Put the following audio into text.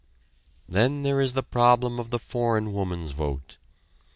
Then there is the problem of the foreign woman's vote.